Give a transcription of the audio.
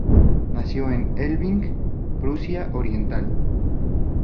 Nació en Elbing, Prusia Oriental.